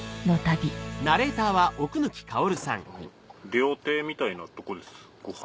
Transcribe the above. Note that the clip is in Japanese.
料亭みたいなとこですご飯。